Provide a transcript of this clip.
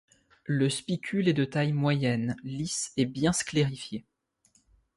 Le spicule est de taille moyenne, lisse et bien sclérifié.